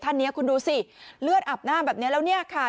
ท่านนี้คุณดูสิเลือดอาบหน้าแบบนี้แล้วเนี่ยค่ะ